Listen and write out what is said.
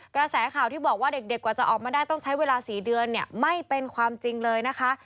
กระแสข่าวที่บอกว่าเด็กกว่าจะออกมาได้ต้องใช้เวลา๔เดือนเนี่ยไม่เป็นความจริงเลยนะคะ